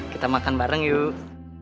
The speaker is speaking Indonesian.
kita makan bareng yuk